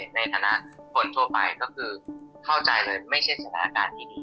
ในฐานะคนทั่วไปก็คือเข้าใจเลยไม่ใช่สถานการณ์ที่ดี